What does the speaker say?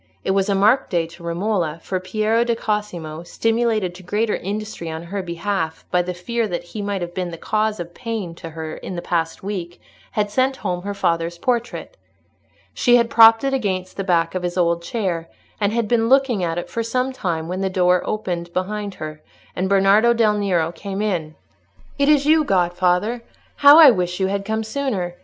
It was a marked day to Romola, for Piero di Cosimo, stimulated to greater industry on her behalf by the fear that he might have been the cause of pain to her in the past week, had sent home her father's portrait. She had propped it against the back of his old chair, and had been looking at it for some time, when the door opened behind her, and Bernardo del Nero came in. "It is you, godfather! How I wish you had come sooner!